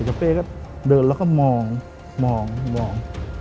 เจ้าเป๊ก็เดินแล้วก็มองมองมอง